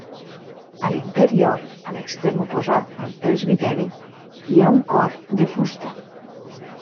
A l'interior, a l'extrem oposat al presbiteri hi ha un cor de fusta.